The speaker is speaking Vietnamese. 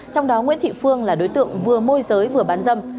trong đó nguyễn thị phương là đối tượng vừa môi giới vừa bán dâm